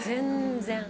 全然！